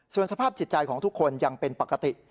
ส่วนสภาพจิตใจของทุกคนยังเป็นปกติ